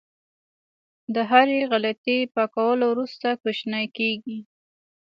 د هرې غلطۍ پاکولو وروسته کوچنی کېږي.